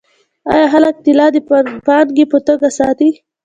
آیا خلک طلا د پانګې په توګه ساتي؟